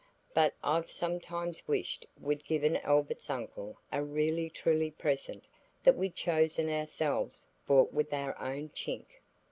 But I've sometimes wished we'd given Albert's uncle a really truly present that we'd chosen ourselves bought with our own chink."